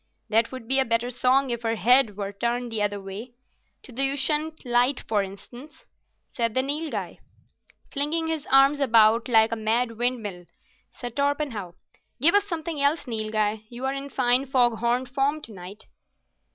"That would be a better song if her head were turned the other way—to the Ushant light, for instance," said the Nilghai. "Flinging his arms about like a mad windmill," said Torpenhow. "Give us something else, Nilghai. You're in fine fog horn form tonight."